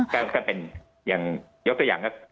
ก็เป็นอย่างยกตัวอย่างก็